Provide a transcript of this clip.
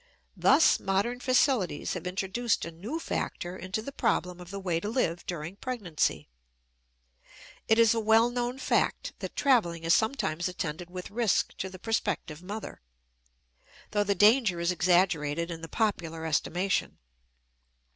Thus modern facilities have introduced a new factor into the problem of the way to live during pregnancy. It is a well known fact that traveling is sometimes attended with risk to the prospective mother, though the danger is exaggerated in the popular estimation.